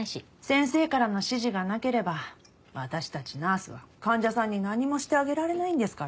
先生からの指示がなければ私たちナースは患者さんに何もしてあげられないんですから。